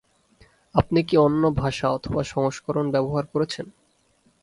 আপনি কি অন্য ভাষা অথবা সংস্করণ ব্যবহার করছেন?